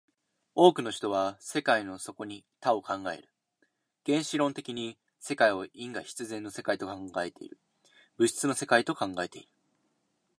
多くの人は世界の底に多を考える、原子論的に世界を因果必然の世界と考えている、物質の世界と考えている。